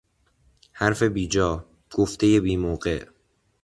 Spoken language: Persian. حرف بیجا، گفتهی بیموقع